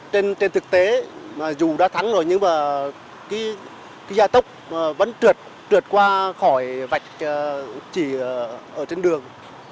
trên thực tế mà dù đã thắng rồi nhưng mà cái gia tốc vẫn trượt trượt qua khỏi vạch chỉ ở trên đường